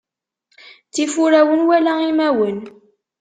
Ttif urawen wala imawen.